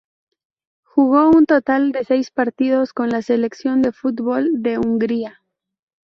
Jugó un total de seis partidos con la selección de fútbol de Hungría.